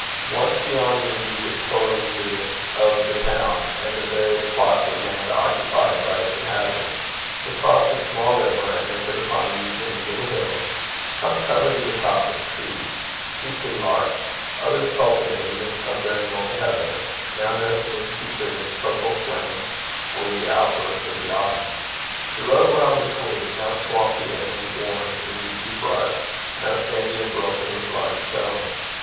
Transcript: Once beyond the immediate purlieus of the town and the various plots of land occupied by its inhabitants, they crossed a small river, and entered upon a region of little hills, some covered to the top with trees, chiefly larch, others cultivated, and some bearing only heather, now nursing in secret its purple flame for the outburst of the autumn. The road wound between, now swampy and worn into deep ruts, now sandy and broken with large stones.